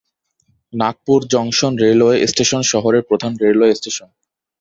Nagpur junction railway station শহরের প্রধান railway station.